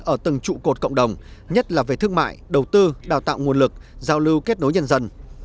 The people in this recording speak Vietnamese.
ở từng trụ cột cộng đồng nhất là về thương mại đầu tư đào tạo nguồn lực giao lưu kết nối nhân dân